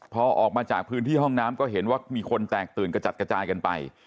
พอออกมาจากพื้นที่ห้องน้ำก็เห็นว่ามีคนแตกตื่นกระจัดกระจายกันไป